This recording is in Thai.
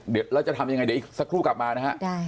เดี๋ยวเราจะทำยังไงเดี๋ยวอีกสักครู่กลับมานะฮะ